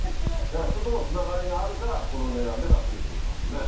やっぱ人とのつながりがあるからこの値段で出せるって事だもんね。